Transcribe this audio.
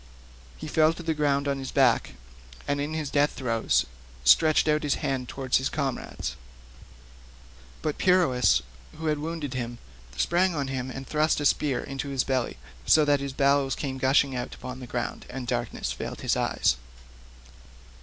He fell to the ground on his back, and in his death throes stretched out his hands towards his comrades. But Peirous, who had wounded him, sprang on him and thrust a spear into his belly, so that his bowels came gushing out upon the ground, and darkness veiled his eyes.